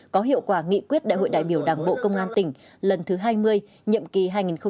có hiệu quả nghị quyết đại hội đại biểu đảng bộ công an tỉnh lần thứ hai mươi nhiệm kỳ hai nghìn hai mươi hai nghìn hai mươi năm